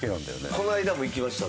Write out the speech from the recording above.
この間も行きました。